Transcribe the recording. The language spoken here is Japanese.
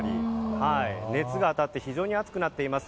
熱が当たって非常に熱くなっています。